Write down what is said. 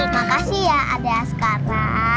makasih ya adik askara